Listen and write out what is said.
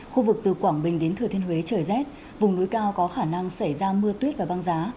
khu vực từ quảng bình đến thừa thiên huế trời rét vùng núi cao có khả năng xảy ra mưa tuyết và băng giá